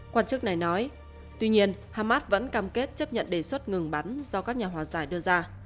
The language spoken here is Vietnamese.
quan chức này nói tuy nhiên hamas vẫn cam kết chấp nhận đề xuất ngừng bắn do các nhà hòa giải đưa ra